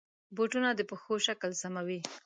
بوټونه د پښو شکل سموي.